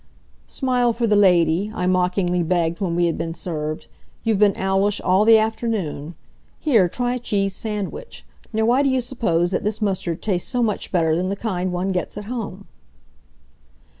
"Smile for the lady," I mockingly begged when we had been served. "You've been owlish all the afternoon. Here, try a cheese sandwich. Now, why do you suppose that this mustard tastes so much better than the kind one gets at home?"